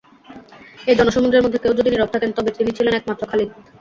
এই জনসমুদ্রের মধ্যে কেউ যদি নীরব থাকেন তবে তিনি ছিলেন একমাত্র খালিদ।